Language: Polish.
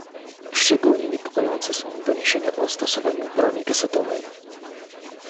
Szczególnie niepokojące są doniesienia o stosowaniu broni kasetowej